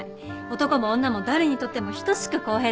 男も女も誰にとっても等しく公平ですから。